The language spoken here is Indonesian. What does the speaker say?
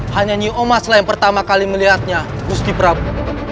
hanya nyoma yang pertama kali melihatnya gusti prabu